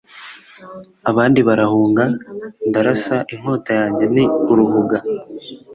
Abandi barahunga ndarasaInkota yanjye ni uruhuga